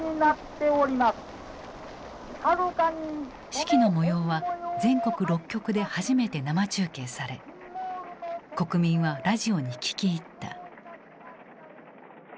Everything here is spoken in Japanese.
式の模様は全国６局で初めて生中継され国民はラジオに聞き入った。